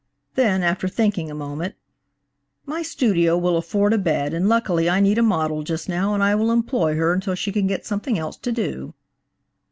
Then, after thinking a moment–"My studio will afford a bed, and luckily I need a model just now and will employ her until she can get something else to do."